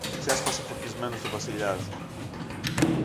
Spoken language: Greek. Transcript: ξέσπασε φουρκισμένος ο Βασιλιάς.